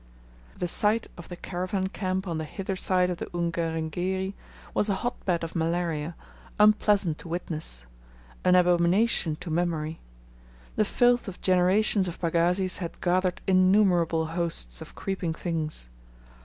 The site of the caravan camp on the hither side of the Ungerengeri was a hot bed of malaria, unpleasant to witness an abomination to memory. The filth of generations of pagazis had gathered innumerable hosts of creeping things.